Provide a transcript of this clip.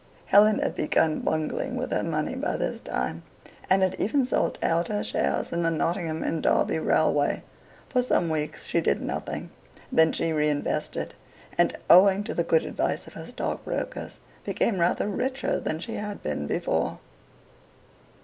Helen had begun bungling with her money by this time, and had even sold out her shares in the Nottingham and Derby Railway. For some weeks she did nothing. Then she reinvested, and, owing to the good advice of her stockbrokers, became rather richer than she had been before.